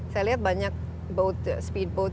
saya lihat banyak speedboat